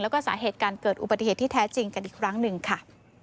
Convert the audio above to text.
แล้วก็สาเหตุการเกิดอุบัติเหตุที่แท้จริงกันอีกครั้งหนึ่งค่ะ